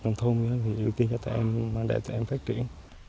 nông thôn như thế thì ưu tiên cho tụi em để tụi em phát triển